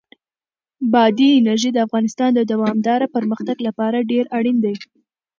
بادي انرژي د افغانستان د دوامداره پرمختګ لپاره ډېر اړین دي.